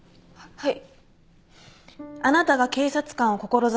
はい。